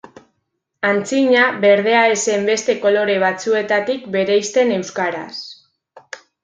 Antzina berdea ez zen beste kolore batzuetatik bereizten euskaraz.